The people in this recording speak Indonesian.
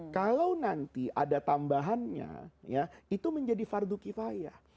kalau nanti ada tambahannya ya itu menjadi fardu kifayah